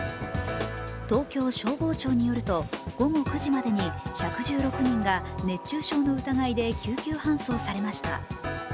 東京消防庁によると、午後９時までに１１６人が熱中症の疑いで救急搬送されました。